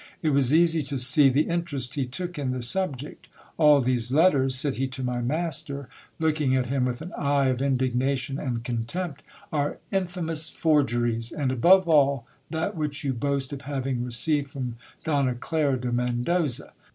It was easy to see the interest he took in the subject. All these letters, said he to my master, lot king at him with an eye of indignation and contempt, are infamous forgeries, ami above all that which you boast of having received from Donna Clara de Mcndoza.